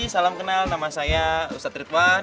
salam kenal nama saya ustadz ridwan